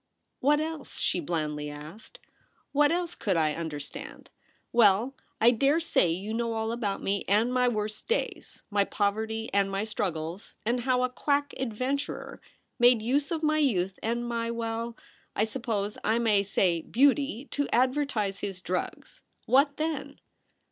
* What else ?' she blandly asked. ' What else could I understand ? Well. I dare say you know all about me and my worst days — my poverty and my struggles, and how a quack adventurer made use of my youth and my — well, I suppose I may say beauty — to advertise his drugs. What then